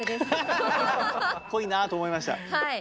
っぽいなと思いました。